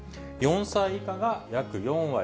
４歳以下が約４割。